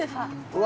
うわ！